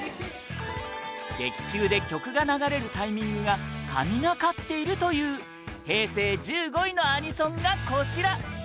劇中で曲が流れるタイミングが神がかっているという平成１５位のアニソンがこちら！